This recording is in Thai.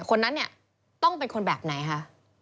คนนั้นต้องเป็นคนแบบไหนค่ะ